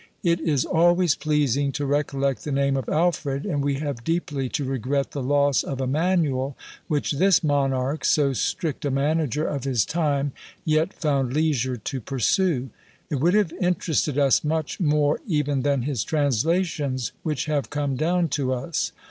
It is always pleasing to recollect the name of Alfred, and we have deeply to regret the loss of a manual which this monarch, so strict a manager of his time, yet found leisure to pursue: it would have interested us much more even than his translations, which have come down to us.